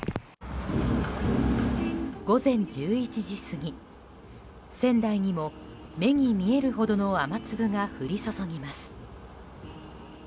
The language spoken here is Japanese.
午前１１時過ぎ、仙台にも目に見えるほどの雨粒が降り注ぎます。